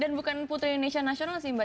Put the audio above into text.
dan bukan putri indonesia nasional sih mbak